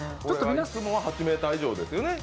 本来は８ｍ以上ですね。